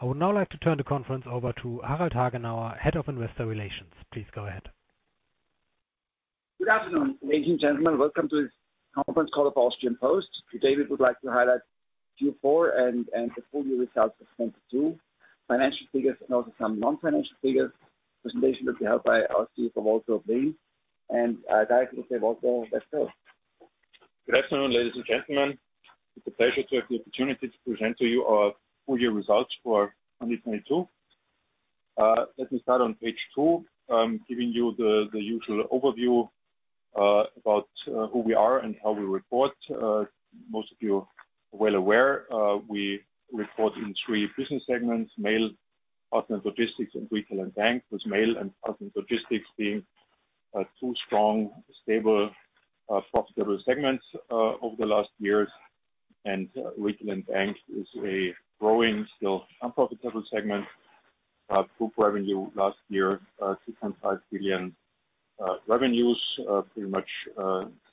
I would now like to turn the conference over to Harald Hagenauer, Head of Investor Relations. Please go ahead. Good afternoon, ladies and gentlemen. Welcome to this conference call for Austrian Post. Today, we would like to highlight Q4 and the full year results of 2022, financial figures and also some non-financial figures. Presentation will be held by our CFO, Walter Oblin. With that, I will say, Walter, let's go. Good afternoon, ladies and gentlemen. It's a pleasure to have the opportunity to present to you our full-year results for 2022. Let me start on page two, giving you the usual overview about who we are and how we report. Most of you are well aware we report in three business segments, Mail, Parcel & Logistics, and Retail & Bank, with Mail and Parcel & Logistics being two strong, stable, profitable segments over the last years. Retail & Bank is a growing, still unprofitable segment. Group revenue last year, 2.5 billion revenues. Pretty much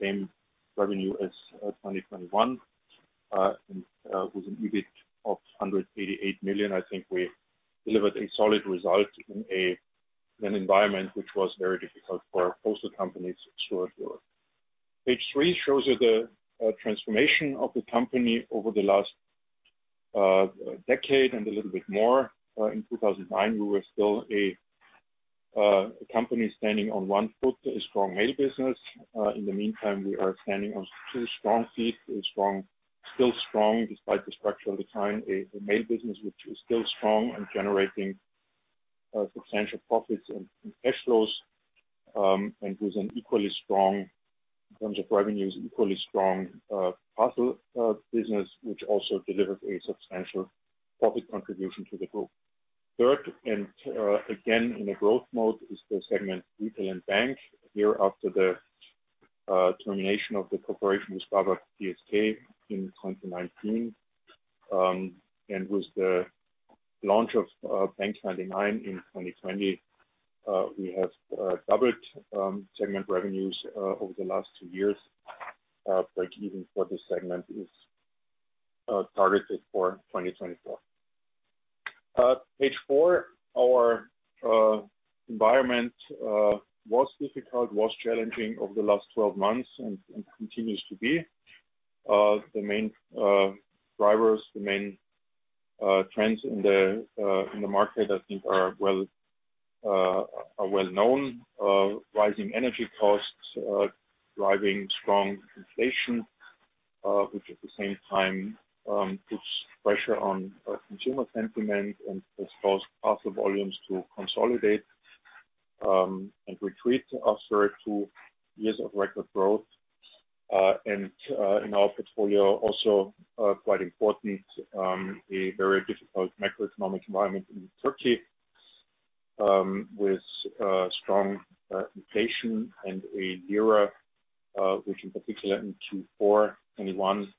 same revenue as 2021. With an EBIT of 188 million, I think we delivered a solid result in an environment which was very difficult for postal companies throughout Europe. Page three shows you the transformation of the company over the last decade and a little bit more. In 2009, we were still a company standing on one foot, a strong Mail business. In the meantime, we are standing on two strong feet, still strong despite the structural decline, a Mail business which is still strong and generating substantial profits and cash flows, and with an equally strong, in terms of revenues, equally strong Parcel business, which also delivers a substantial profit contribution to the group. Third, again, in a growth mode is the segment Retail & Bank. A year after the termination of the cooperation with BAWAG P.S.K. in 2019, and with the launch of bank99 in 2020, we have doubled segment revenues over the last two years. Breakeven for this segment is targeted for 2024. Page four, our environment was difficult, was challenging over the last 12 months and continues to be. The main drivers, the main trends in the market I think are well-known. Rising energy costs, driving strong inflation, which at the same time puts pressure on consumer sentiment and has caused parcel volumes to consolidate and retreat after two years of record growth. In our portfolio also quite important, a very difficult macroeconomic environment in Turkey, with strong inflation and a lira, which, in particular, in Q4 2021,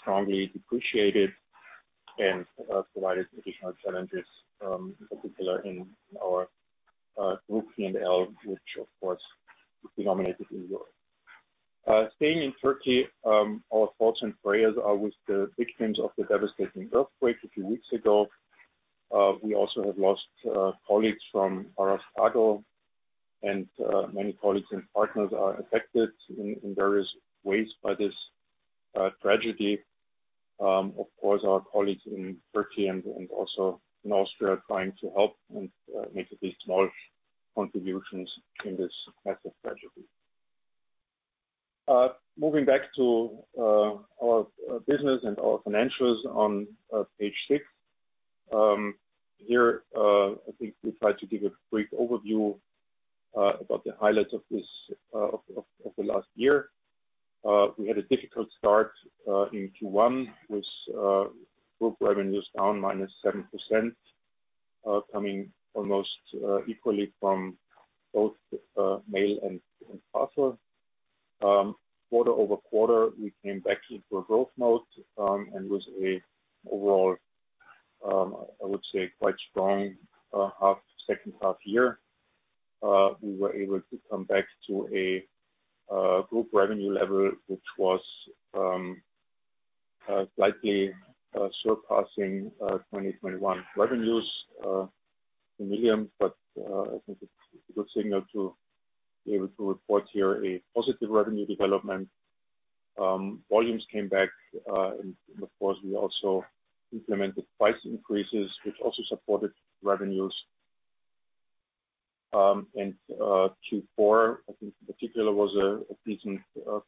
strongly depreciated and provided additional challenges, in particular in our group P&L, which of course is denominated in euro. Staying in Turkey, our thoughts and prayers are with the victims of the devastating earthquake a few weeks ago. We also have lost colleagues from Aras Kargo, and many colleagues and partners are affected in various ways by this tragedy. Of course, our colleagues in Turkey and also in Austria are trying to help and make at least small contributions in this massive tragedy. Moving back to our business and our financials on page six. Here, I think we try to give a brief overview about the highlights of the last year. We had a difficult start in Q1 with group revenues down -7%, coming almost equally from both Mail and Parcel. Quarter-over-quarter, we came back into a growth mode, with an overall, I would say, quite strong second half year. We were able to come back to a group revenue level, which was slightly surpassing 2021 revenues in millions. I think it's a good signal to be able to report here a positive revenue development. Volumes came back, and of course, we also implemented price increases, which also supported revenues. Q4, I think in particular, was a decent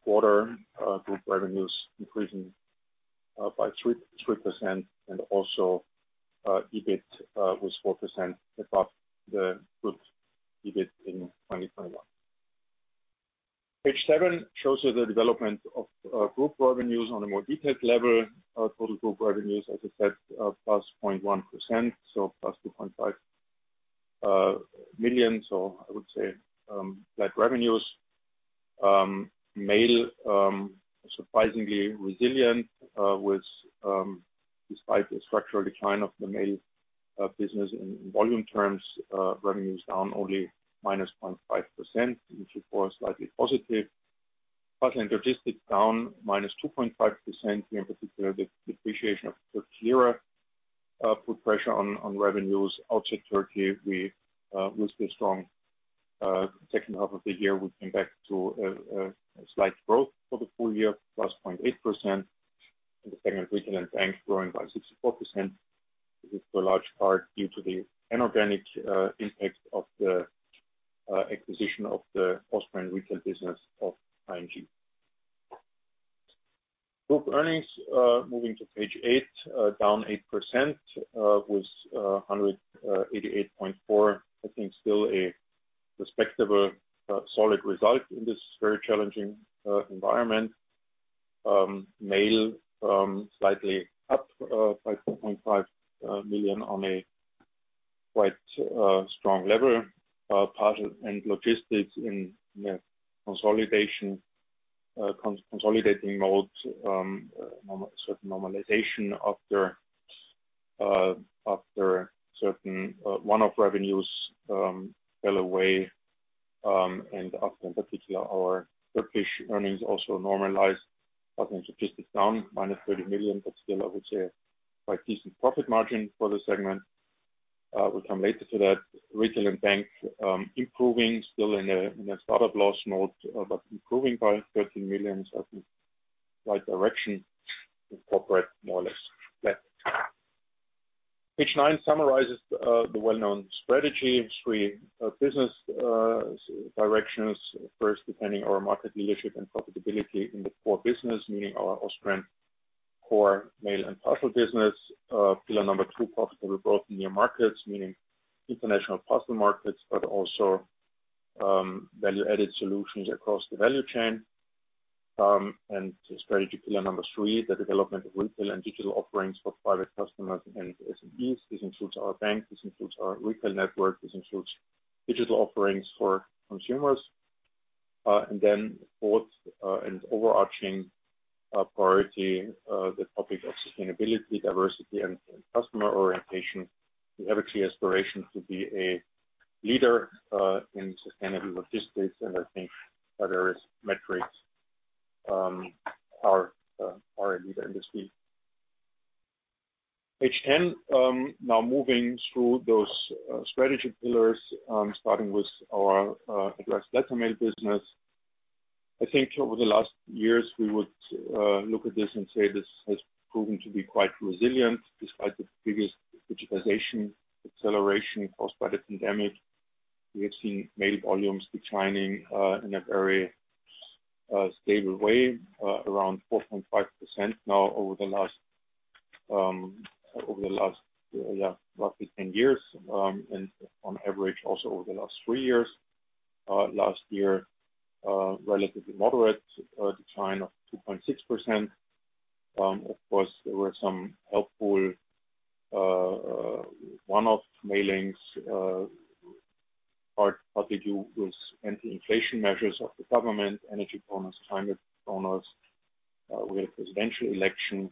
quarter. Group revenues increasing by 3% and also EBIT was 4% above the group EBIT in 2021. Page seven shows you the development of group revenues on a more detailed level. Total group revenues, as I said, +0.1%, +2.5 million. I would say flat revenues. Mail, surprisingly resilient with despite the structural decline of the Mail business in volume terms, revenues down only -0.5%, which of course slightly positive. Parcel & Logistics down -2.5%. Here in particular, the depreciation of the lira put pressure on revenues. Outside Turkey, we with the strong second half of the year, we came back to a slight growth for the full year, +0.8%. In the segment, Retail & Bank growing by 64%. This is for a large part due to the inorganic impact of the acquisition of the Austrian retail business of ING. Group earnings, moving to page eight, down 8%, with 188.4, I think still a respectable, solid result in this very challenging environment. Mail, slightly up by 4.5 million on a quite strong level, Parcel & Logistics in consolidation, consolidating mode, certain normalization after certain one-off revenues fell away, and after, in particular, our Turkish earnings also normalized. I think Logistics down -30 million, but still I would say quite decent profit margin for the segment. We'll come later to that. Retail & Bank improving still in a start-up loss mode, but improving by 13 million, so I think right direction. In corporate, more or less flat. Page nine summarizes the well-known strategy. Three business directions. First, defending our market leadership and profitability in the core business, meaning our Austrian core Mail and Parcel business. Pillar number two, profitable growth in new markets, meaning international Parcel markets, but also value-added solutions across the value chain. Strategic pillar number three, the development of retail and digital offerings for private customers and SMEs. This includes our bank, this includes our Retail network, this includes digital offerings for consumers. Then fourth, and overarching priority, the topic of sustainability, diversity and customer orientation. We have a clear aspiration to be a leader in sustainable logistics, and I think by various metrics, are a leader in this field. Page 10, now moving through those strategy pillars, starting with our addressed letter mail business. I think over the last years, we would look at this and say this has proven to be quite resilient despite the previous digitization acceleration caused by the pandemic. We have seen mail volumes declining in a very stable way, around 4.5% now over the last over the last, yeah, roughly 10 years, and on average also over the last three years. Last year, relatively moderate decline of 2.6%. Of course, there were some helpful, one-off mailings, partly due with anti-inflation measures of the government, energy bonus, climate bonus. We had a presidential election.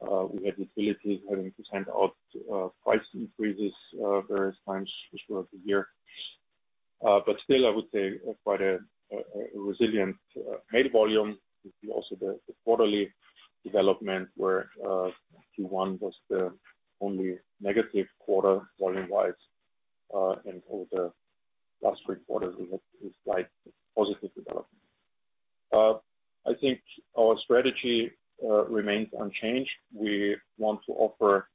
We had utilities having to send out price increases various times throughout the year. Still, I would say quite a resilient Mail volume. You see also the quarterly development where Q1 was the only negative quarter volume-wise. Over the last three quarters, we had a slight positive development. I think our strategy remains unchanged. We want to offer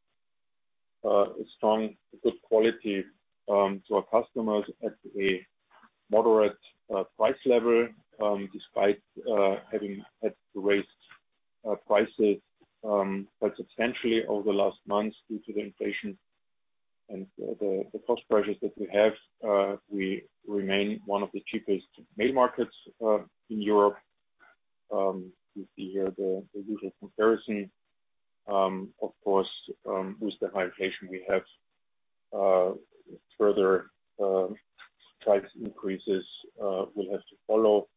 a strong, good quality to our customers at a moderate price level despite having had to raise prices quite substantially over the last months due to the inflation and the cost pressures that we have. We remain one of the cheapest Mail markets in Europe. You see here the usual comparison. Of course, with the high inflation we have, further price increases will have to follow.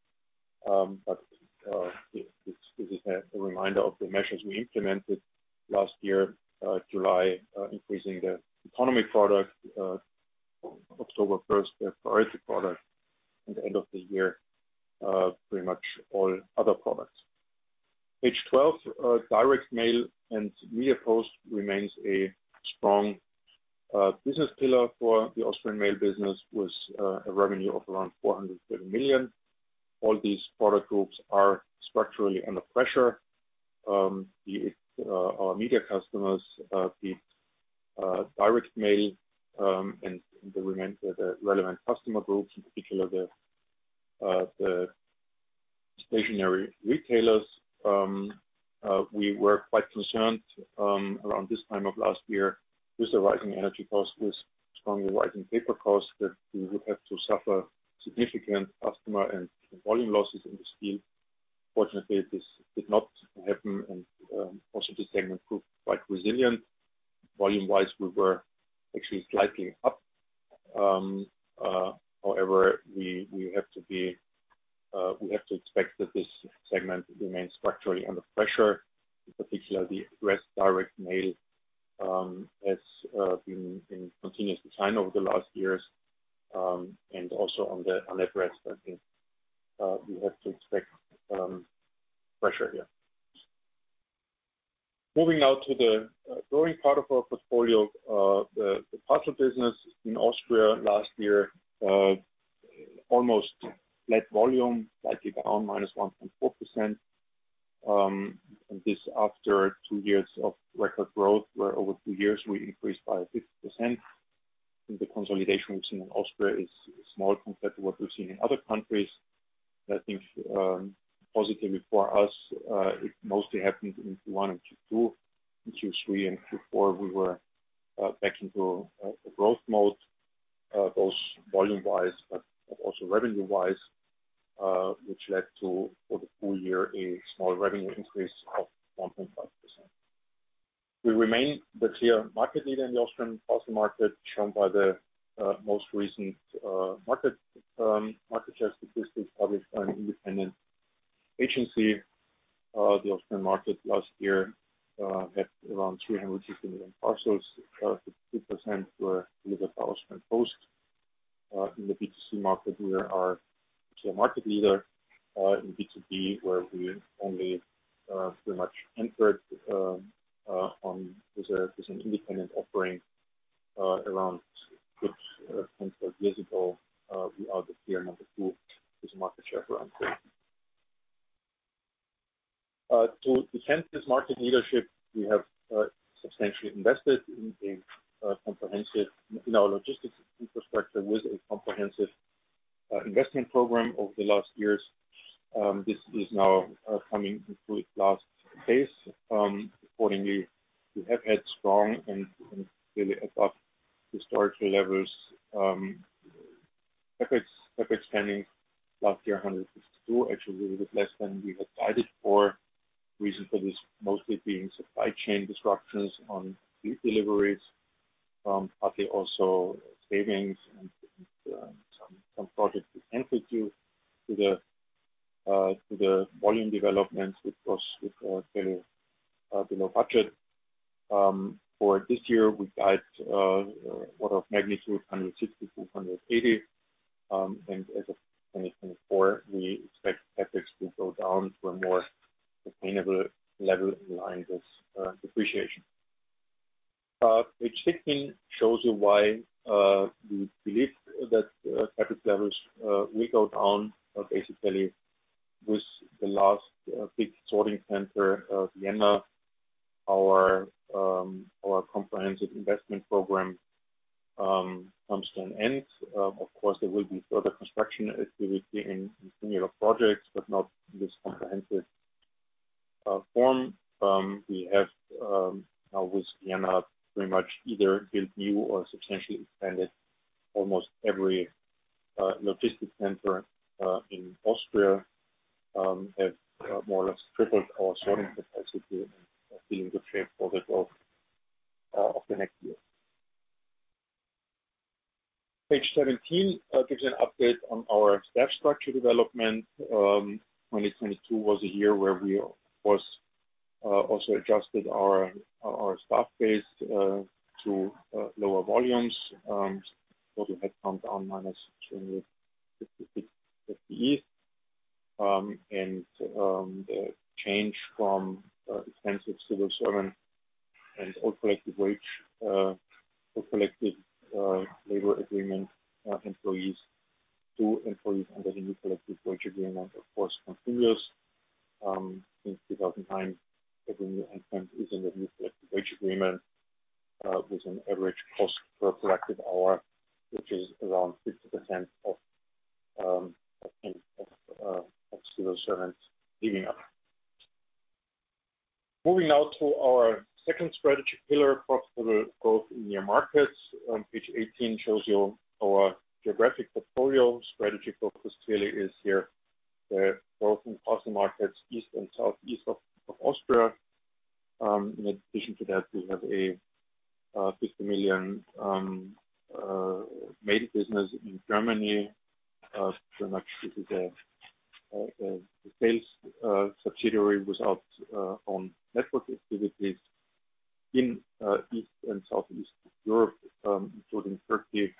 This is a reminder of the measures we implemented last year, July, increasing the Economy product, October 1st, the priority product, and the end of the year pretty much all other products. Page 12, Direct Mail and Mediapost remains a strong business pillar for the Austrian Mail business with a revenue of around 430 million. All these product groups are structurally under pressure. Our media customers, the Direct Mail, and the relevant customer groups, in particular the stationary retailers, we were quite concerned around this time of last year with the rising energy costs, with strongly rising paper costs, that we would have to suffer significant customer and volume losses in this field. Fortunately, this did not happen and also this segment proved quite resilient. Volume-wise, we were actually slightly up. However, we have to be, we have to expect that this segment remains structurally under pressure. In particular, the rest direct mail has been in continuous decline over the last years. Also on net rates, I think we have to expect pressure here. Moving now to the growing part of our portfolio. The parcel business in Austria last year, almost flat volume, slightly down -1.4%. This after two years of record growth, where over two years we increased by 50%. The consolidation we've seen in Austria is small compared to what we've seen in other countries. I think, positively for us, it mostly happened in Q1 and Q2. In Q3 and Q4 we were back into growth mode, both volume wise but also revenue wise, which led to for the full year a small revenue increase of 1.5%. We remain the clear market leader in the Austrian parcel market, shown by the most recent market share statistics published by an independent agency. The Austrian market last year had around 360 million parcels. 52% were delivered by Austrian Post. In the B2C market, we are still market leader. In B2B, where we only pretty much entered on as a, as an independent offering, around goods, things like visible, we are the clear number two as a market share around 30%. To defend this market leadership, we have substantially invested in our logistics infrastructure with a comprehensive investment program over the last years. This is now coming into its last phase. Accordingly, we have had strong and really above historical levels CapEx spending last year, 152 million, actually a little bit less than we had guided for. Reason for this mostly being supply chain disruptions on deliveries, they also savings and some projects we entered due to the volume developments, which were fairly below budget. For this year we guide order of magnitude 160 million-180 million. As of 2024, we expect CapEx to go down to a more sustainable level in line with depreciation. Page 16 shows you why we believe that CapEx levels will go down basically with the last big sorting center of Vienna, our comprehensive investment program comes to an end. Of course, there will be further construction activity in similar projects, but not this comprehensive form. We have now with Vienna pretty much either built new or substantially expanded almost every logistics center in Austria, have more or less tripled our sorting capacity and are in a good shape for the growth of the next years. Page 17 gives you an update on our staff structure development. 2022 was a year where we, of course, also adjusted our staff base to lower volumes. Total headcount down -266 FTE. The change from expensive civil servant and old collective labor agreement employees to employees under the new collective wage agreement, of course, continuous. Since 2009, every new entrant is in the new collective wage agreement, with an average cost per collective hour, which is around 50% of civil servants leaving us. Moving now to our second strategy pillar, profitable growth in near markets. Page 18 shows you our geographic portfolio. Strategy focus clearly is here, growing parcel markets east and southeast of Austria. In addition to that, we have a 50 million Mail business in Germany. Pretty much this is a sales subsidiary without own network activities. In East and Southeast Europe, including Turkey,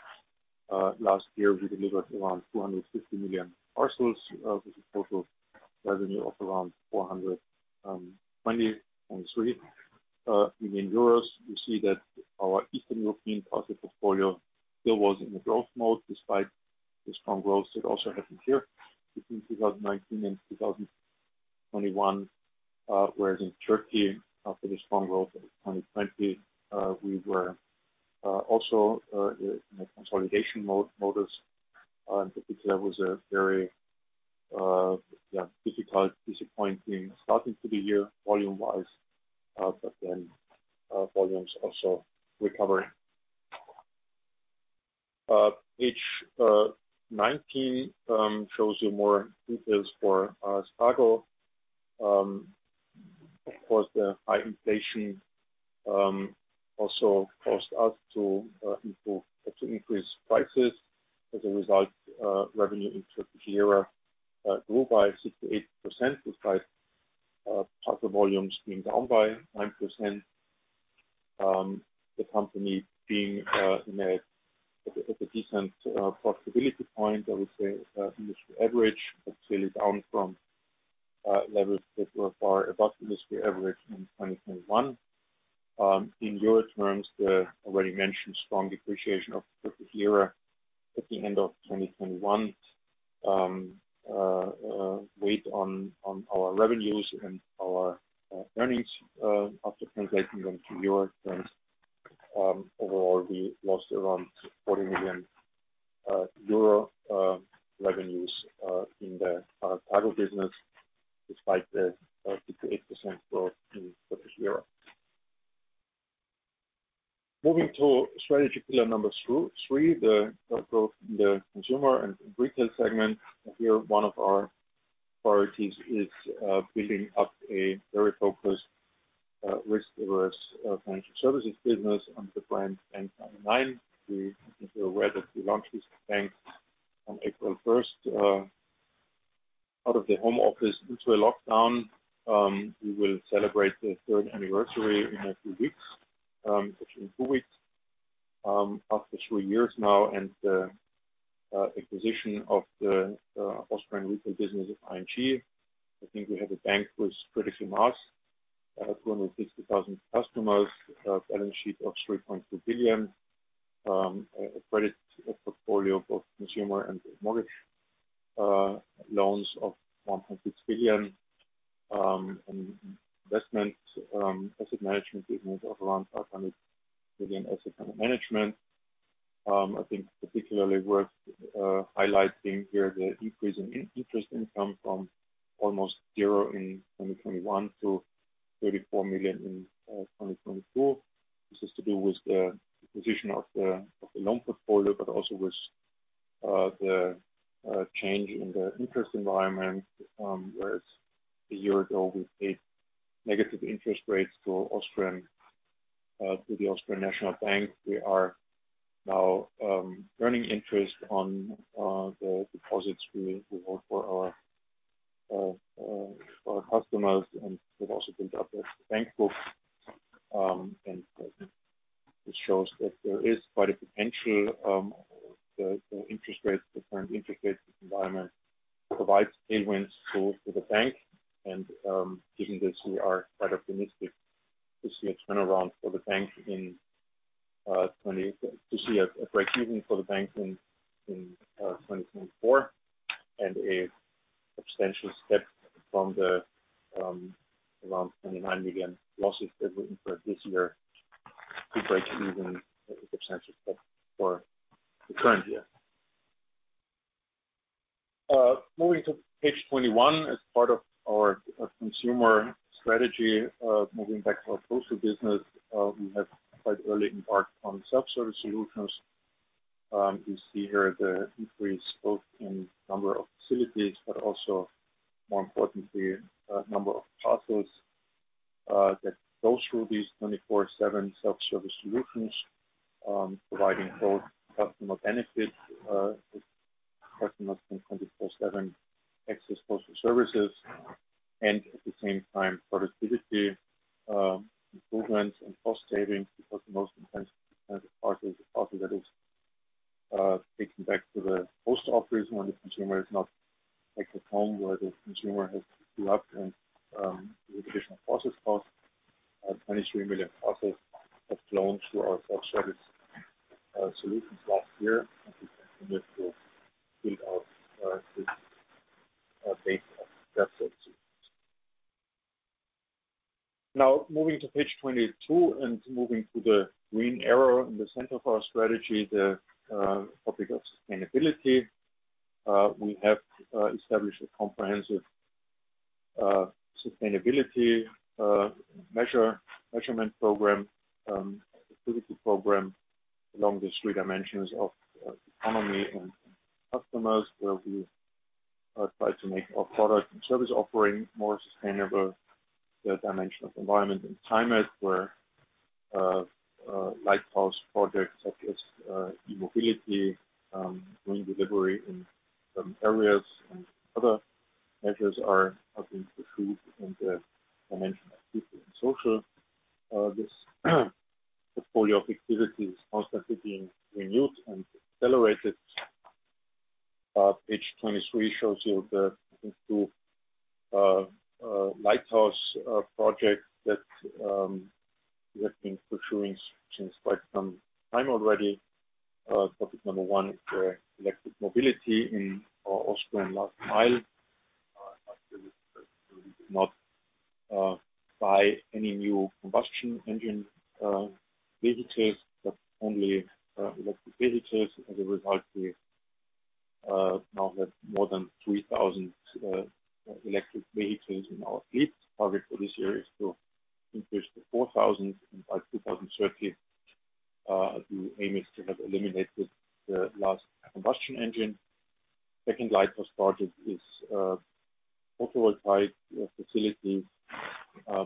last year, we delivered around 250 million parcels with a total revenue of around 420.3 million euros. We see that our Eastern European parcel portfolio still was in the growth mode despite the strong growth that also happened here between 2019 and 2021. Whereas in Turkey, after the strong growth of 2020, we were also in a consolidation mode. 52 was a very difficult, disappointing starting to the year volume-wise. Volumes also recovered. Page 19 shows you more details for Aras Kargo. Of course, the high inflation also forced us to improve or to increase prices. As a result, revenue in Turkish lira grew by 68% despite parcel volumes being down by 9%. The company being in a decent profitability point, I would say, industry average, but clearly down from levels that were far above industry average in 2021. In euro terms, the already mentioned strong depreciation of the lira at the end of 2021 weighed on our revenues and our earnings after translating them to Euro terms. Overall, we lost around 40 million euro revenues in the cargo business despite the 58% growth in the past year. Moving to strategy pillar number three, the growth in the consumer and retail segment. Here, one of our priorities is building up a very focused, risk-averse, financial services business under the brand bank99. I think you're aware that we launched this bank on April 1st out of the home office into a lockdown. We will celebrate the third anniversary in a few weeks, actually in two weeks. After three years now and the acquisition of the Austrian retail business of ING, I think we have a bank with critical mass. 260,000 customers, a balance sheet of 3.2 billion. A credit portfolio of consumer and mortgage loans of 1.6 billion, and investment asset management business of around 500 million asset under management. I think particularly worth highlighting here the increase in in-interest income from almost zero in 2021 to 34 million in 2024. This has to do with the acquisition of the loan portfolio, but also with the change in the interest environment, whereas a year ago, we paid negative interest rates to the Oesterreichische Nationalbank. We are now earning interest on the deposits we hold for our customers, and we've also built up as the bank99 books. It shows that there is quite a potential, the interest rates, the current interest rate environment provides tailwinds to the bank99. Given this, we are quite optimistic to see a turnaround for the bank99 in. To see a breakeven for bank99 in 2024, and a substantial step from the around 29 million losses that we incurred this year to breakeven at a substantial step for the current year. Moving to page 21, as part of our consumer strategy of moving back to our postal business, we have quite early embarked on self-service solutions. You see here the increase both in number of facilities, but also more importantly, number of parcels that go through these 24/7 self-service solutions, providing both customer benefits, with customers can 24/7 access postal services and at the same time, productivity improvements and cost savings because the most intense part is a parcel that is taken back to the post office when the consumer is not at the home where the consumer has grew up and with additional process costs. 23 million parcels have flown through our self-service solutions last year. We continue to build out this base of self-service. Now, moving to page 22 and moving to the green arrow in the center of our strategy, the topic of sustainability. We have established a comprehensive sustainability measurement program, activity program along the three dimensions of economy and customers, where we try to make our product and service offering more sustainable. The dimension of environment and climate where lighthouse projects such as e-mobility, green delivery in certain areas and other measures have been pursued in the dimension of people and social. This portfolio of activities constantly being renewed and accelerated. Page 23 shows you the two lighthouse projects that we have been pursuing since quite some time already. Topic number one is the electric mobility in our Austrian last mile. Not buy any new combustion engine vehicles, but only electric vehicles. As a result, we now have more than 3,000 electric vehicles in our fleet. Target for this year is to increase to 4,000, and by 2030, the aim is to have eliminated the last combustion engine. Second lighthouse project is photovoltaic facility.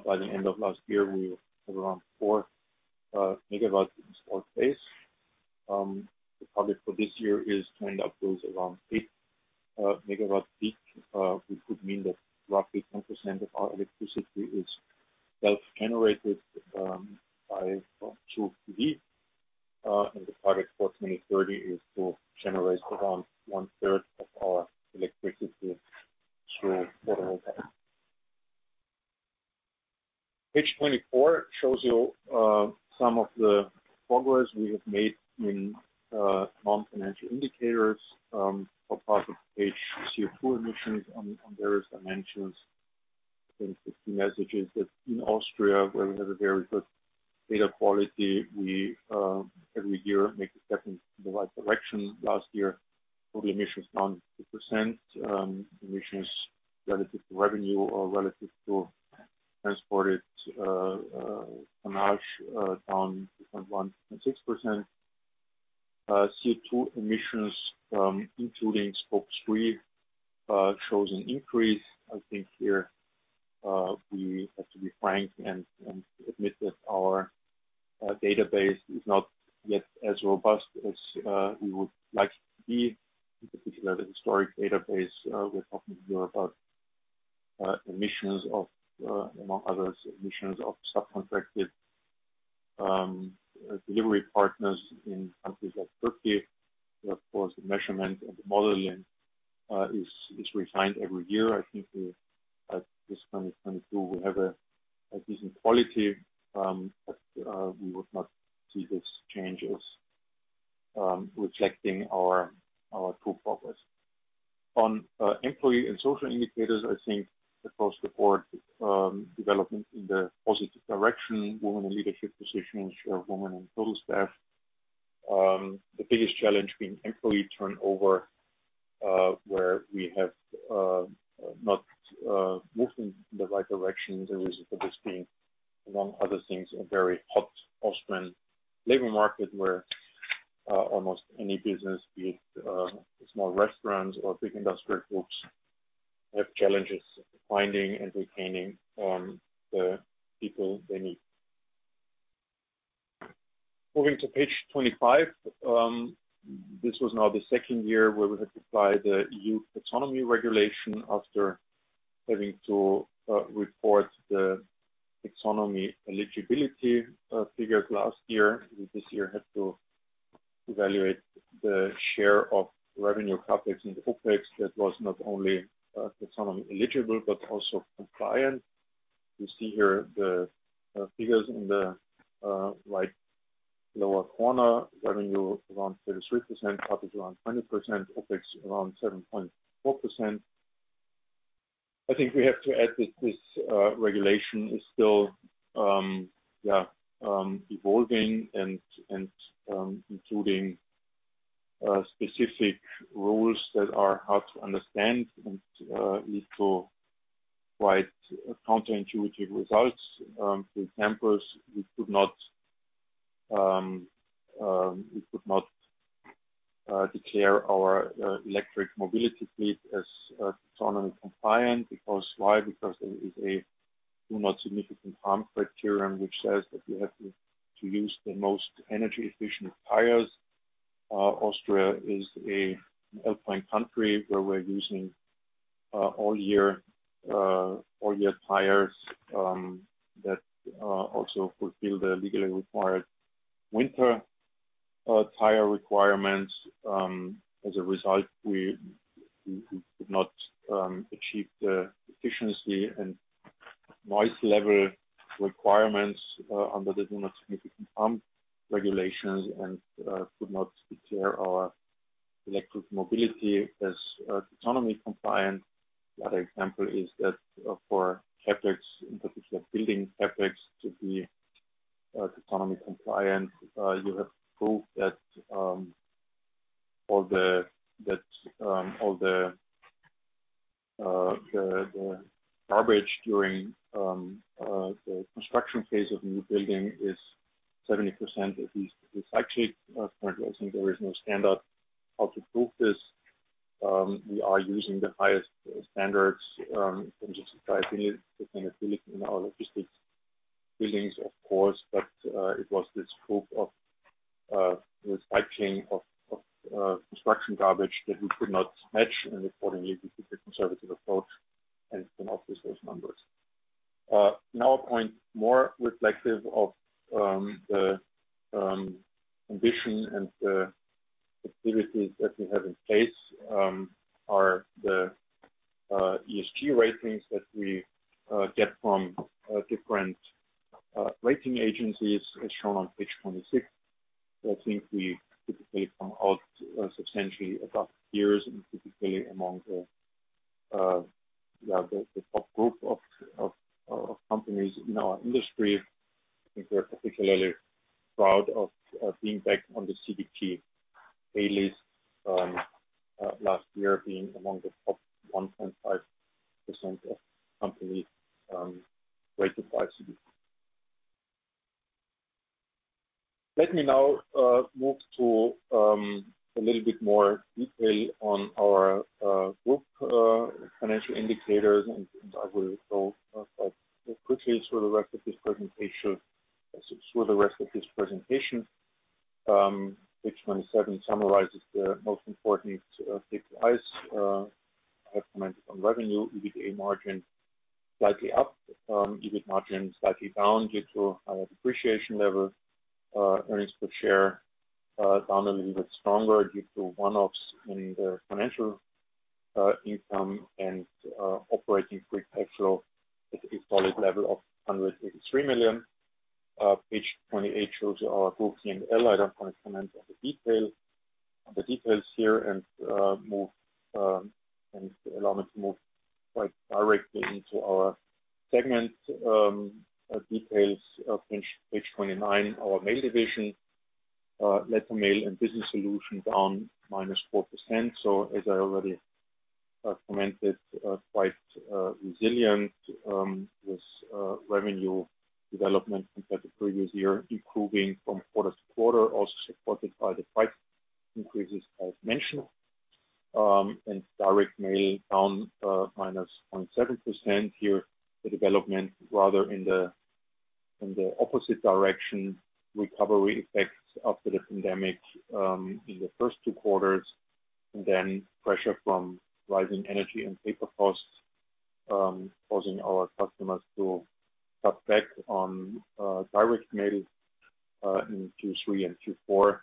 By the end of last year, we had around 4 megawatts in installed base. The target for this year is to end up those around 8 megawatts peak, which would mean that roughly 10% of our electricity is self-generated through PV. The target for 2030 is to generate around one third of our electricity through photovoltaics. Page 24 shows you where we have not moving in the right direction. The reason for this being, among other things, a very hot Austrian labor market where almost any business, be it a small restaurant or big industrial groups, have challenges finding and retaining the people they need. Moving to page 25, this was now the second year where we had to apply the EU taxonomy regulation after having to report the taxonomy eligibility figures last year. This year had to evaluate the share of revenue, CapEx, and OpEx that was not only Taxonomy-eligible, but also compliant. You see here the figures in the right lower corner revenue around 33%, CapEx around 20%, OpEx around 7.4%. I think we have to add that this regulation is still evolving, including specific rules that are hard to understand and lead to quite counterintuitive results. For example, we could not declare our e-mobility fleet as Taxonomy-compliant. Because why? Because there is a Do No Significant Harm criterion, which says that you have to use the most energy-efficient tires. Austria is a alpine country where we're using all-year tires that also fulfill the legally required winter tire requirements. As a result, we could not achieve the efficiency and noise level requirements under the Do No Significant Harm regulations and could not declare our electric mobility as Taxonomy-compliant. Another example is that for CapEx, in particular building CapEx, to be Taxonomy compliant, you have to prove that all the garbage during the construction phase of new building is 70% at least recycled. Currently, I think there is no standard how to prove this. We are using the highest standards in just about any sustainable in our logistics buildings, of course. It was this proof of recycling of construction garbage that we could not match, and accordingly, we took a conservative approach and came up with those numbers. Now a point more reflective of the ambition and the activities that we have in place are the ESG ratings that we get from different rating agencies, as shown on page 26. I think we typically come out substantially above peers and typically among the top group of companies in our industry. I think we are particularly proud of being back on the CDP A list last year, being among the top 1.5% of companies rated by CDP. Let me now move to a little bit more detail on our group financial indicators, and I will go more quickly through the rest of this presentation. Page 27 summarizes the most important takeaways. I've commented on revenue, EBITDA margin slightly up. EBIT margin slightly down due to our depreciation level. Earnings per share down a little bit stronger due to one-offs in the financial income and operating free cash flow at a solid level of 183 million. Page 28 shows our full P&L. I don't wanna comment on the details here and allow me to move quite directly into our segment details of page 29. Our Mail division, Letter Mail & Business Solutions down -4%. As I already commented, quite resilient with revenue development compared to previous year, improving from quarter to quarter, also supported by the price increases I've mentioned. Direct Mail down -0.7%. Here the development rather in the opposite direction. Recovery effects after the pandemic in the first two quarters, and then pressure from rising energy and paper costs causing our customers to cut back on direct mail in Q3 and Q4.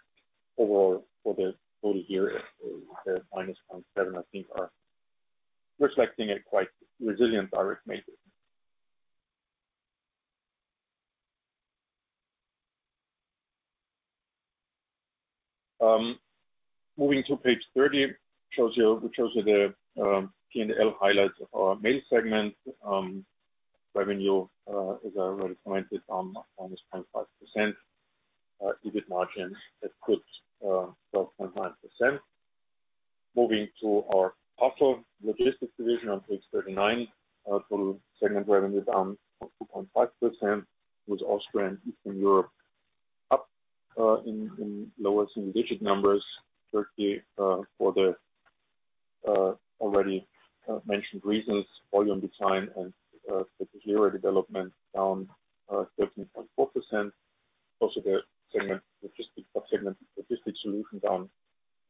Overall, for the full year, we said -0.7%, I think are reflecting a quite resilient Direct Mail business. Moving to page 30 we show you the P&L highlights of our Mail segment. Revenue, as I already commented, down -0.5%. EBIT margin at good 12.9%. Moving to our Parcel Logistics division on page 39. Total segment revenue down 0.5%, with Austria and Eastern Europe up in lower single digit numbers. Turkey, for the already mentioned reasons, volume decline and particular development down 13.4%. Also the sub-segment Logistics Solutions down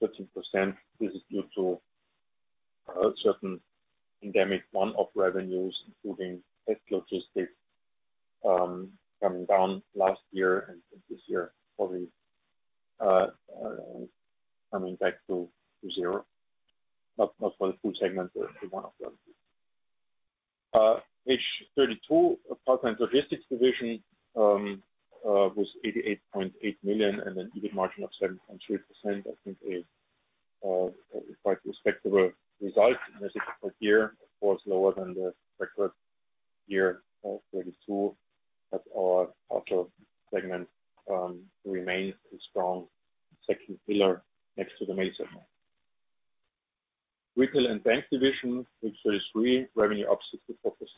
13%. This is due to certain pandemic one-off revenues, including health logistics, coming down last year, and this year probably coming back to zero. Not for the full segment, but for one of them. Page 32, Parcel & Logistics division, was 88.8 million, and an EBIT margin of 7.3%, I think a quite respectable result in this difficult year. Of course, lower than the record year of 2022, our Parcel segment remains a strong second pillar next to the Mail segment. Retail & Bank division, page 33, revenue up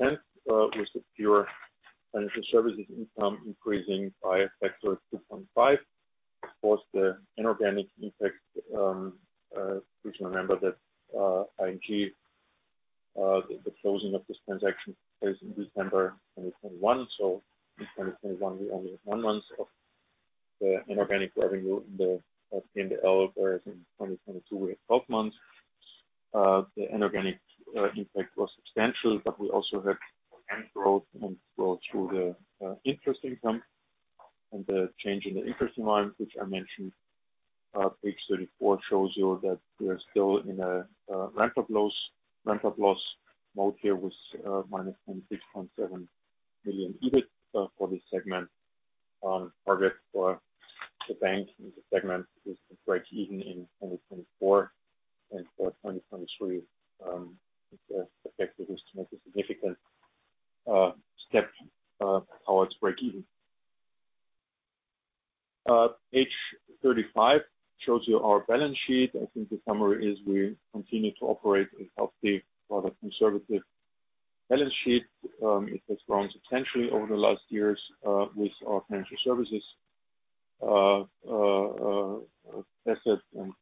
64%, with the pure financial services income increasing by a factor of 2.5. Of course, the inorganic impact, please remember that ING, the closing of this transaction was in December 2021. In 2021, we only had one month of the inorganic revenue in the P&L, whereas in 2022, we had 12 months. The inorganic impact was substantial, but we also had organic growth and growth through the interest income and the change in the interest environment, which I mentioned. Page 34 shows you that we are still in a ramp-up loss mode here with -26.7 million EBIT for this segment. Target for the bank in the segment is to break even in 2024. For 2023, I think the effect will be to make a significant step towards breakeven. Page 35 shows you our balance sheet. I think the summary is we continue to operate a healthy, rather conservative balance sheet. It has grown substantially over the last years, with our financial services assets and,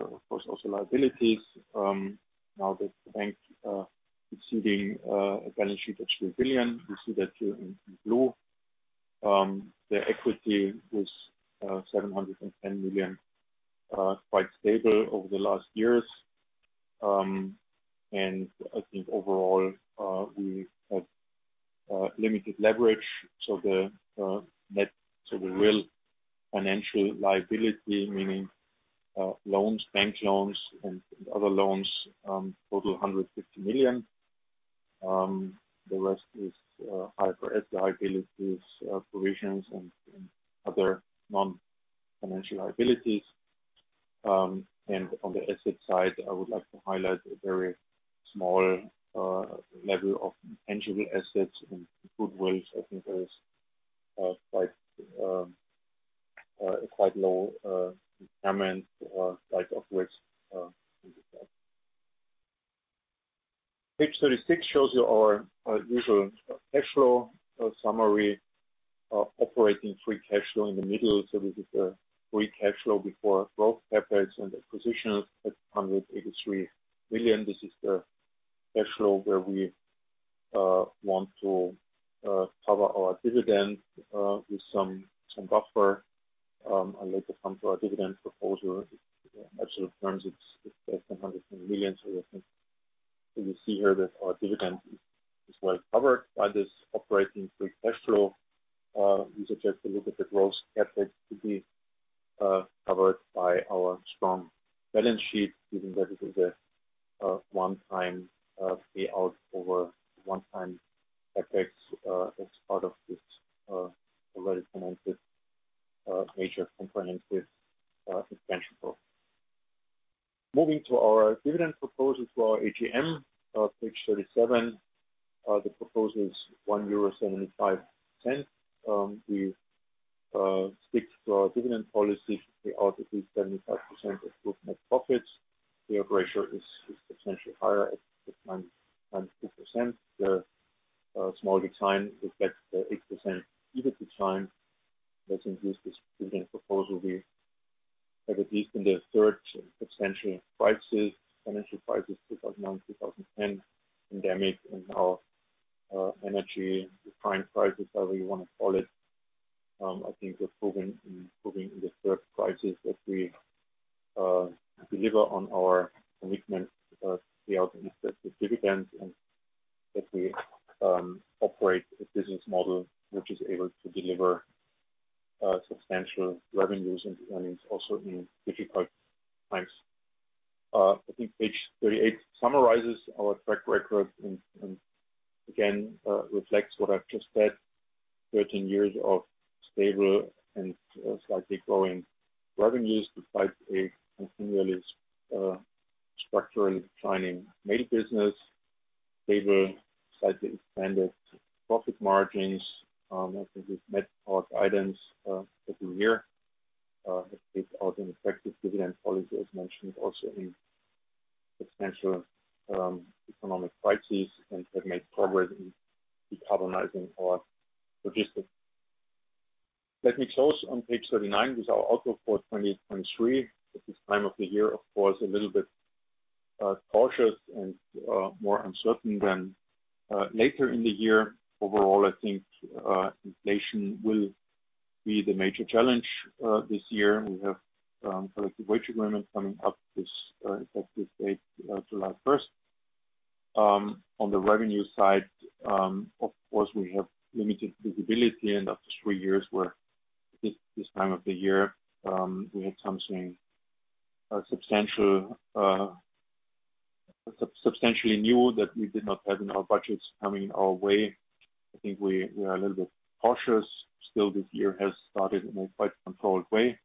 of course, also liabilities, now that the bank exceeding a balance sheet of 3 billion. We see that here in blue. The equity was 710 million, quite stable over the last years. I think overall, we have limited leverage. The real financial liability, meaning loans, bank loans and other loans, total 150 million. The rest is either asset liabilities, provisions and other non-financial liabilities. On the asset side, I would like to highlight a very small level of intangible assets. Goodwill, I think there is quite low impairment, like of which. Page 36 shows you our usual cash flow summary of operating free cash flow in the middle. This is the free cash flow before growth CapEx and acquisitions at 183 million. This is the cash flow where we want to cover our dividend with some buffer. I later come to our dividend proposal. Actual terms, it's less than 100 million. I think you see here that our dividend is well covered by this operating free cash flow. You suggest to look at the gross CapEx to be covered by our strong balance sheet, given that it is a one time payout over one time CapEx, as part of this already commented major comprehensive expansion program. Moving to our dividend proposal for our AGM, page 37. The proposal is 1.75 euro. We stick to our dividend policy, pay out at least 75% of group net profits. Pay out ratio is potentially higher at 95%. The small decline reflects the 8% EBITDA decline that's included in this dividend proposal. We have at least in the third substantial crisis, financial crisis, 2009, 2010 pandemic and now energy decline crisis, however you wanna call it. I think we've proven in the 3rd crisis that we deliver on our commitment to pay out an effective dividend and that we operate a business model which is able to deliver substantial revenues and earnings also in difficult times. I think page 38 summarizes our track record and again reflects what I've just said. 13 years of stable and slightly growing revenues despite a continually structurally declining Mail business. Stable, slightly expanded profit margins. I think we've met our guidance every year. Have paid out an effective dividend policy, as mentioned, also in substantial economic crises, and have made progress in decarbonizing our logistics. Let me close on page 39 with our outlook for 2023. At this time of the year, of course, a little bit cautious and more uncertain than later in the year. Overall, I think inflation will be the major challenge this year. We have collective wage agreement coming up this effective date, July 1st. On the revenue side, of course, we have limited visibility, and after three years where this time of the year, we had something substantial, substantially new that we did not have in our budgets coming our way. I think we are a little bit cautious still. This year has started in a quite controlled way,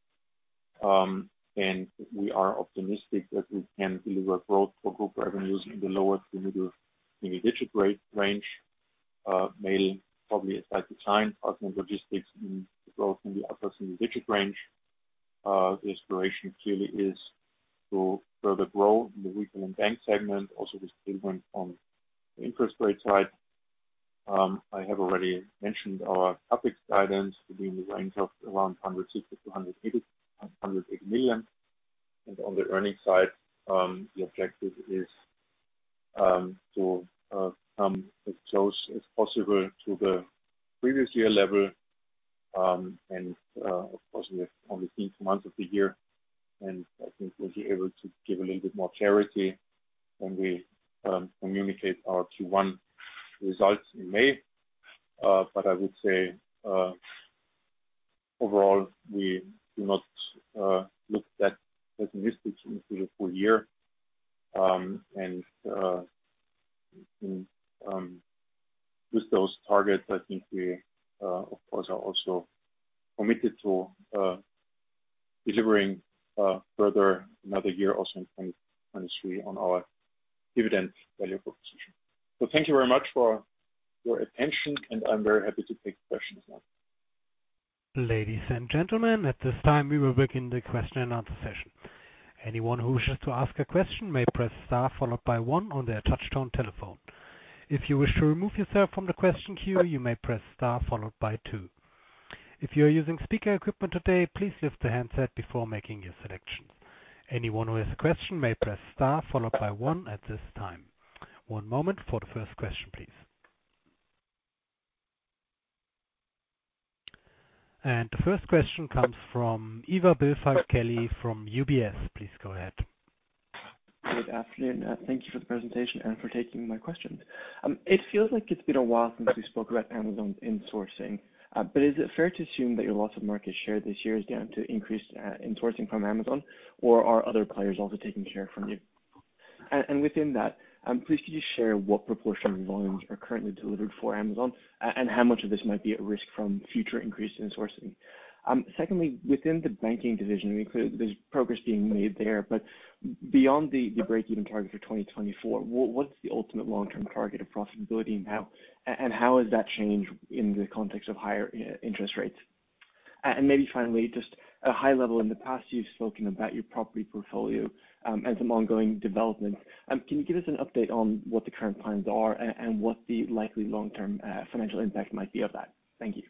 and we are optimistic that we can deliver growth for group revenues in the lower to middle single-digit range. Mail probably a slight decline. Parcel & Logistics in the growth in the upper single-digit range. The aspiration clearly is to further grow in the Retail & Bank segment. Also, this payment on the interest rate side. I have already mentioned our CapEx guidance to be in the range of around 150 million-180 million. On the earnings side, the objective is to come as close as possible to the previous year level. Of course, we have only five months of the year, and I think we'll be able to give a little bit more clarity when we communicate our Q1 results in May. I would say, overall, we do not look that pessimistic into the full year. With those targets, I think we of course, are also committed to delivering further another year also in 2023 on our dividend value proposition. Thank you very much for your attention, and I'm very happy to take questions now. Ladies and gentlemen, at this time, we will begin the question and answer session. Anyone who wishes to ask a question may press star followed by one on their touch-tone telephone. If you wish to remove yourself from the question queue, you may press star followed by two. If you're using speaker equipment today, please lift the handset before making your selections. Anyone who has a question may press star followed by one at this time. One moment for the first question, please. The first question comes from Ivar Billfalk-Kelly from UBS. Please go ahead. Good afternoon. Thank you for the presentation and for taking my questions. It feels like it's been a while since we spoke about Amazon's insourcing. Is it fair to assume that your loss of market share this year is down to increased insourcing from Amazon, or are other players also taking share from you? Within that, please, can you share what proportion of volumes are currently delivered for Amazon, and how much of this might be at risk from future increases in sourcing? Secondly, within the banking division, there's progress being made there. Beyond the break-even target for 2024, what's the ultimate long-term target of profitability now, and how has that changed in the context of higher interest rates? Maybe finally, just a high level. In the past, you've spoken about your property portfolio, and some ongoing development. Can you give us an update on what the current plans are and what the likely long-term financial impact might be of that? Thank you.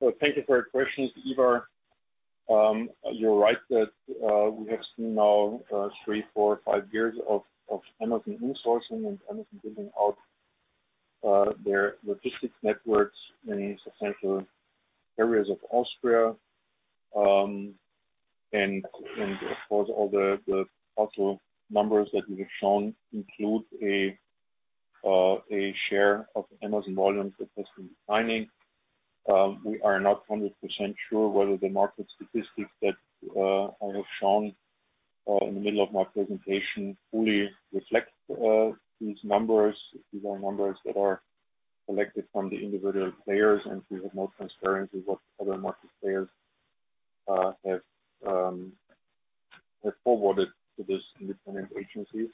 Well, thank you for your questions, Ivar. You're right that we have seen now three, four, five years of Amazon insourcing and Amazon building out their logistics networks in substantial areas of Austria. Of course, all the postal numbers that we have shown include a share of Amazon volume that has been declining. We are not 100% sure whether the market statistics that I have shown in the middle of my presentation fully reflect these numbers. These are numbers that are collected from the individual players, we have no transparency what other market players have forwarded to these independent agencies.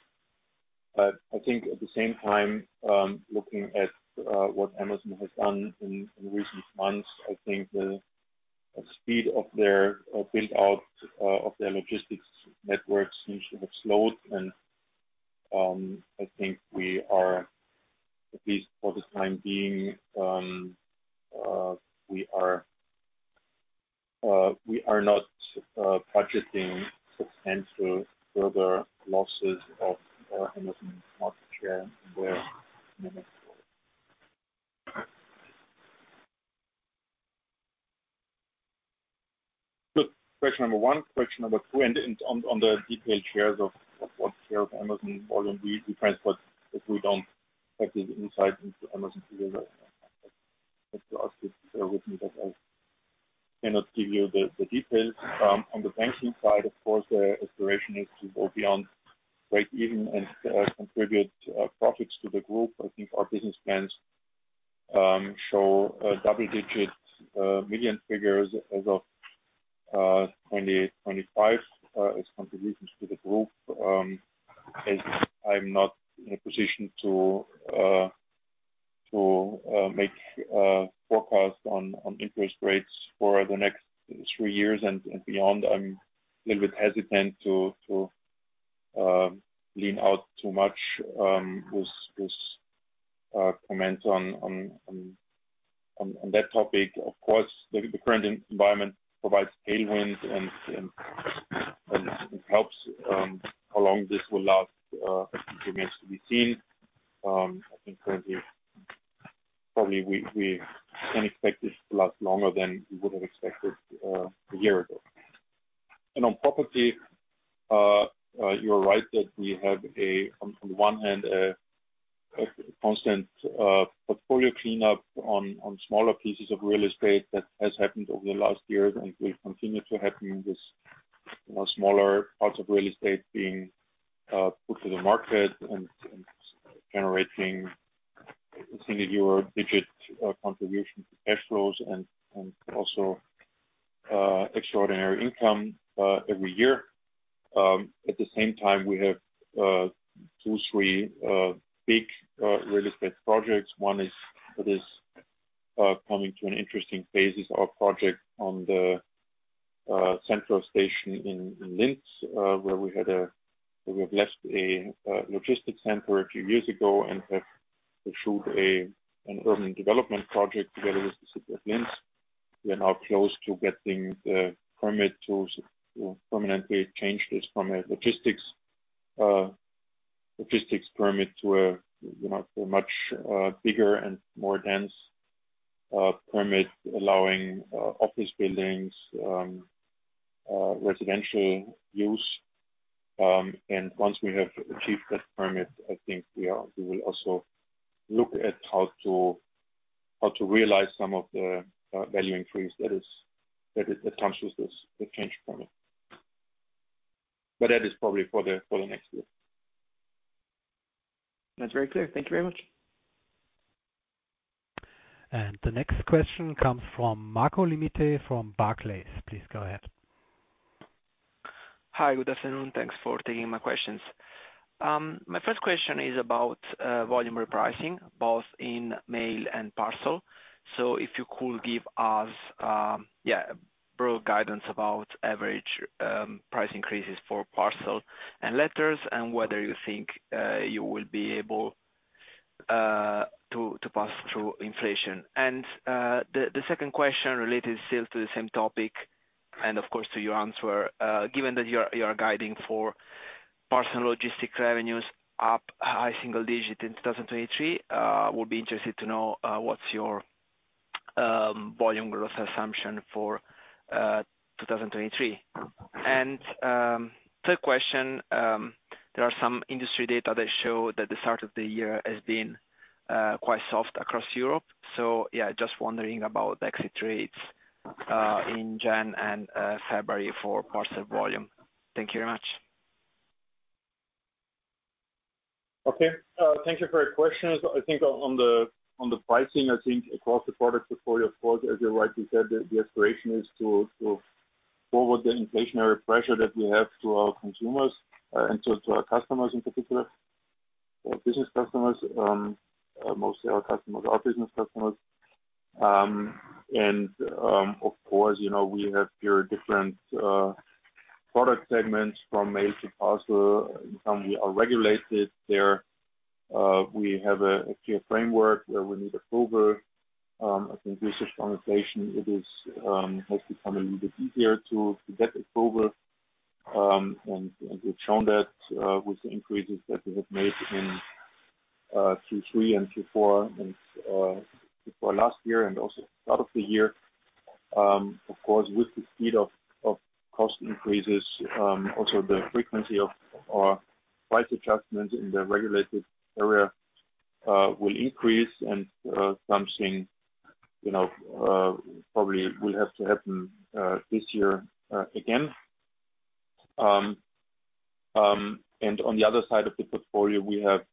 I think at the same time, looking at what Amazon has done in recent months, I think the speed of their build-out of their logistics networks seems to have slowed. I think we are, at least for the time being, we are not budgeting substantial further losses of our Amazon market share in the next quarter. Look, question number one, question number two, and on the detailed shares of what share of Amazon volume we transport, if we don't have the insight into Amazon delivery, that's to us with me that I cannot give you the details. On the banking side, of course, the aspiration is to go beyond break even and contribute profits to the group. I think our business plans show a double-digit million figures as of 2025 as contributions to the group. As I'm not in a position to make forecast on interest rates for the next three years and beyond, I'm a little bit hesitant to lean out too much with this comment on that topic. Of course, the current environment provides tailwinds and helps how long this will last remains to be seen. I think currently, probably we can expect this to last longer than we would have expected a year ago. On property, you're right that we have on the one hand, a constant portfolio cleanup on smaller pieces of real estate that has happened over the last years and will continue to happen with, you know, smaller parts of real estate being put to the market and generating a single-digit contribution to cash flows and also extraordinary income every year. At the same time, we have two, three big real estate projects. One is, that is coming to an interesting phase, is our project on the central station in Linz, where we had where we have left a logistics center a few years ago and have pursued an urban development project together with the city of Linz. We are now close to getting the permit to permanently change this from a logistics permit to a, you know, a much bigger and more dense permit allowing office buildings, residential use. Once we have achieved that permit, I think we will also look at how to realize some of the value increase that comes with this, the change permit. That is probably for the next year. That's very clear. Thank you very much. The next question comes from Marco Limite from Barclays. Please go ahead. Hi, good afternoon. Thanks for taking my questions. My first question is about volume repricing, both in Mail and Parcel. If you could give us broad guidance about average price increases for parcel and letters, and whether you think you will be able to pass through inflation. The second question related still to the same topic and of course to your answer. Given that you're guiding for Parcel & Logistics revenues up high single-digit in 2023, would be interested to know what's your volume growth assumption for 2023. Third question, there are some industry data that show that the start of the year has been quite soft across Europe. Yeah, just wondering about exit rates, in Jan and February for parcel volume. Thank you very much. Okay. Thank you for your questions. I think on the, on the pricing, I think across the product portfolio, of course, as you rightly said, the aspiration is to forward the inflationary pressure that we have to our consumers, and to our customers in particular, business customers, mostly our customers are business customers. Of course, you know, we have here different product segments from Mail to Parcel. Some we are regulated there. We have a clear framework where we need approval. I think with this inflation, it is has become a little bit easier to get approval. We've shown that with the increases that we have made in Q3 and Q4 and before last year and also start of the year. Of course, with the speed of cost increases, also the frequency of our price adjustments in the regulated area will increase and something, you know, probably will have to happen this year again. On the other side of the portfolio, we have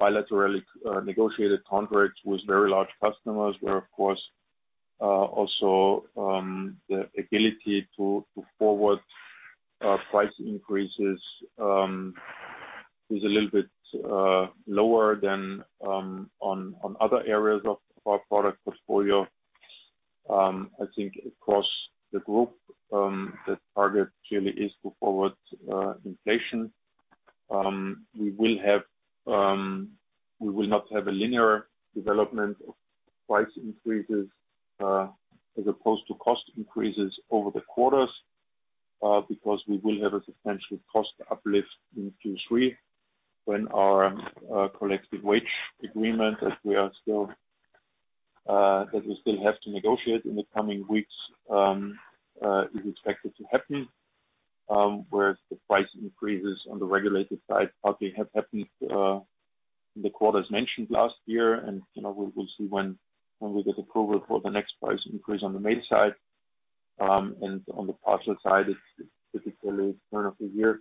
bilaterally negotiated contracts with very large customers where, of course, also the ability to forward price increases is a little bit lower than on other areas of our product portfolio. I think across the group, the target clearly is to forward inflation. We will not have a linear development of price increases as opposed to cost increases over the quarters because we will have a substantial cost uplift in Q3 when our collective wage agreement, as we are still that we still have to negotiate in the coming weeks, is expected to happen. Whereas the price increases on the regulated side partly have happened in the quarters mentioned last year. you know, we'll see when we get approval for the next price increase on the Mail side. On the Parcel side, it's typically turn of the year,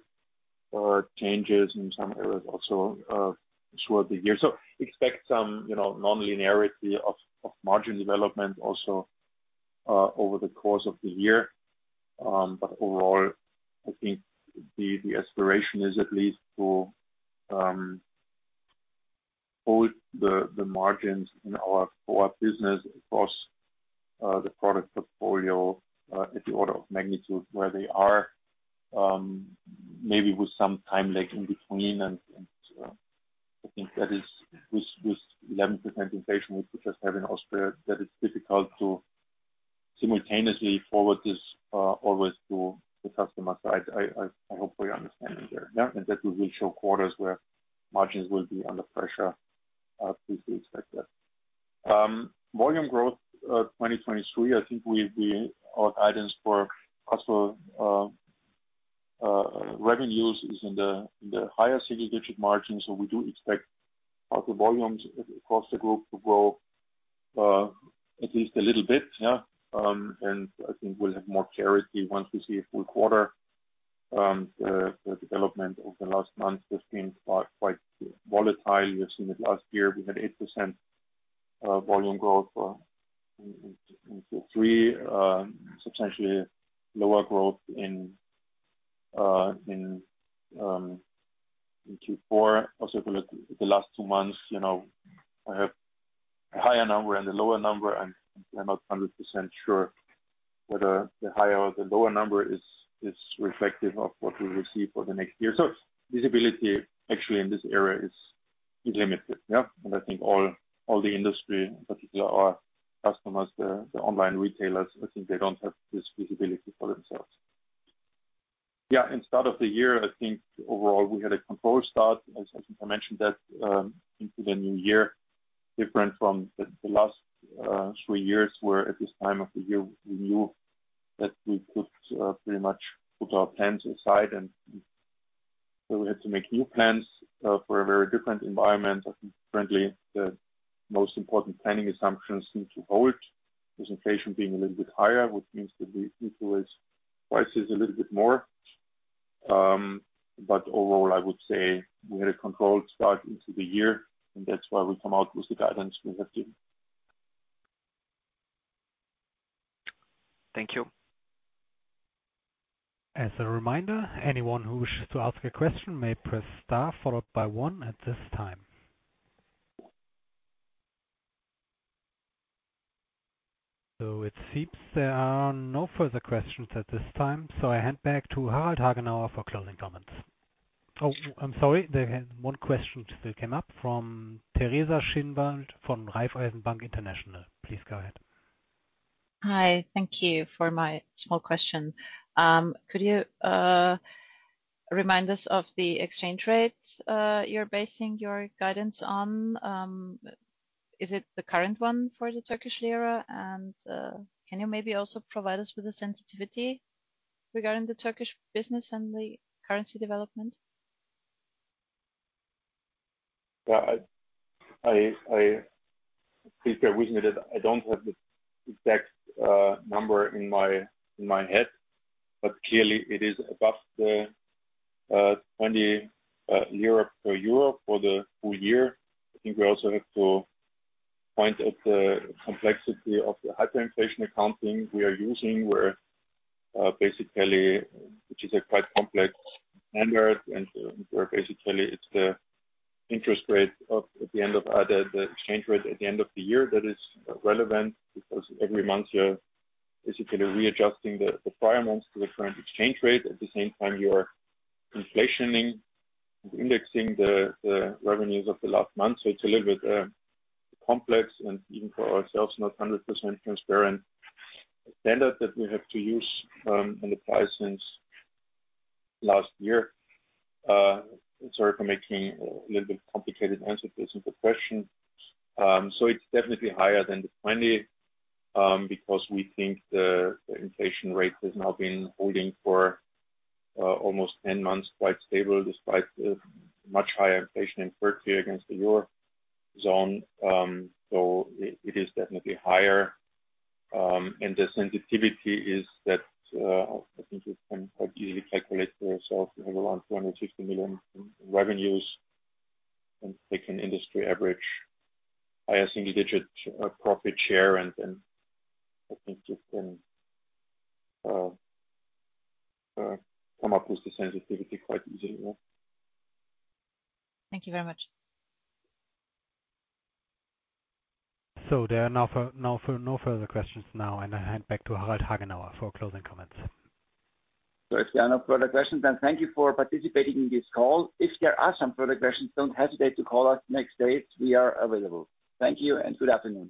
changes in some areas also throughout the year. Expect some, you know, non-linearity of margin development also over the course of the year. Overall, I think the aspiration is at least to hold the margins in our forward business across the product portfolio at the order of magnitude where they are, maybe with some time lag in between. I think that is with 11% inflation, which we just have in Austria, that it's difficult to simultaneously forward this always to the customer side. I hope you understand me there. Yeah. That we will show quarters where margins will be under pressure, please expect that. Volume growth 2023, I think we our guidance for parcel revenues is in the higher single-digit margins. We do expect parcel volumes across the group to grow at least a little bit. Yeah. I think we'll have more clarity once we see a full quarter. The development over the last months has been quite volatile. You have seen it last year. We had 8% volume growth in Q3, substantially lower growth in Q4. Also for the last two months, you know, I have a higher number and a lower number, and I'm not 100% sure whether the higher or the lower number is reflective of what we will see for the next year. Visibility actually in this area is limited. Yeah. I think all the industry, in particular our customers, the online retailers, I think they don't have this visibility for themselves. Yeah, in start of the year, I think overall we had a controlled start, as I think I mentioned that, into the new year, different from the last three years, where at this time of the year, we knew that we could pretty much put our plans aside, and so we had to make new plans for a very different environment. I think currently the most important planning assumptions seem to hold, with inflation being a little bit higher, which means that we influence prices a little bit more. Overall, I would say we had a controlled start into the year, and that's why we come out with the guidance we have given. Thank you. As a reminder, anyone who wishes to ask a question may press star followed by one at this time. It seems there are no further questions at this time, so I hand back to Harald Hagenauer for closing comments. Oh, I'm sorry. There one question still came up from Teresa Schinwald from Raiffeisen Bank International. Please go ahead. Hi. Thank you for my small question. Could you remind us of the exchange rate you're basing your guidance on? Is it the current one for the Turkish lira? Can you maybe also provide us with a sensitivity regarding the Turkish business and the currency development? Yeah. I, I please bear with me that I don't have the exact number in my head, but clearly it is above the 20 lira per EUR for the full year. I think we also have to point at the complexity of the hyperinflationary accounting we are using, where basically, which is a quite complex standard, and where basically it's the interest rate at the end of the exchange rate at the end of the year that is relevant, because every month you're basically readjusting the requirements to the current exchange rate. At the same time, inflationing and indexing the revenues of the last month. It's a little bit complex and even for ourselves not 100% transparent standard that we have to use and apply since last year. Sorry for making a little bit complicated answer to a simple question. It's definitely higher than the 20 because we think the inflation rate has now been holding for almost 10 months, quite stable, despite the much higher inflation in Turkey against the Eurozone. It is definitely higher. The sensitivity is that I think you can quite easily calculate for yourself. You have around 250 million in revenues and take an industry average by a single-digit profit share. I think you can come up with the sensitivity quite easily. Yeah. Thank you very much. There are no further questions now, and I hand back to Harald Hagenauer for closing comments. If there are no further questions, thank you for participating in this call. If there are some further questions, don't hesitate to call us next day. We are available. Thank you and good afternoon.